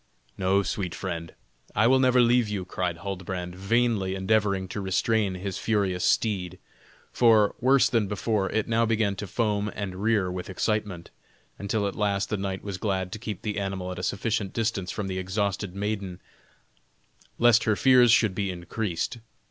"No, sweet friend, I will never leave you!" cried Huldbrand, vainly endeavoring to restrain his furious steed; for, worse than before, it now began to foam and rear with excitement, until at last the knight was glad to keep the animal at a sufficient distance from the exhausted maiden lest her fears should be increased.